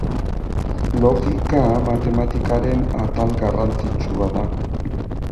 Logika, matematikaren atal garrantzitsua da.